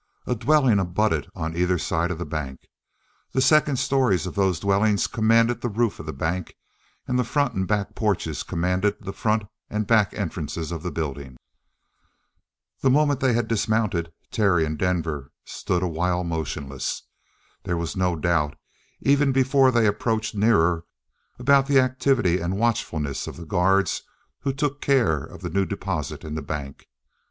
A dwelling abutted on either side of the bank. The second stories of those dwellings commanded the roof of the bank; and the front and back porches commanded the front and back entrances of the building. The moment they had dismounted, Terry and Denver stood a while motionless. There was no doubt, even before they approached nearer, about the activity and watchfulness of the guards who took care of the new deposit in the bank.